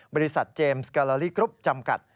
บริษัทเจมส์กาลาลีกรุ๊ปจำกัด